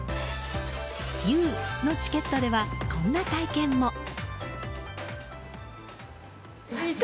遊のチケットではこんな体験も。